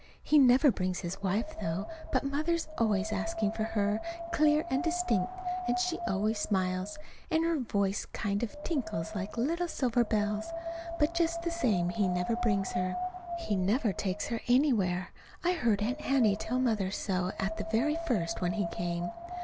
He never brings his wife, though; but Mother's always asking for her, clear and distinct, and she always smiles, and her voice kind of tinkles like little silver bells. But just the same he never brings her. He never takes her anywhere. I heard Aunt Hattie tell Mother so at the very first, when he came.